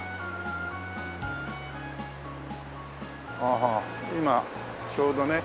ああ今ちょうどね。